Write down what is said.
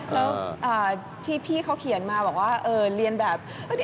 แล้วที่พี่เขาเขียนมาบอกว่าเรียนแบบ